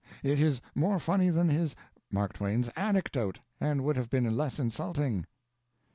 ["It is more funny than his" (Mark Twain's) "anecdote, and would have been less insulting."